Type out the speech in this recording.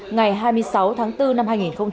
ngày hai mươi sáu tháng bốn năm hai nghìn hai mươi